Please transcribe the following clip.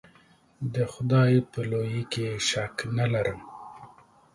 د خدای په لویي کې شک نه ارم.